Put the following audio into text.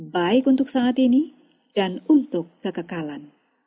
baik untuk saat ini dan untuk kekekalan